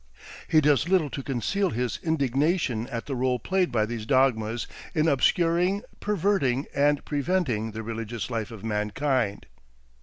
He does little to conceal his indignation at the role played by these dogmas in obscuring, perverting, and preventing the religious life of mankind.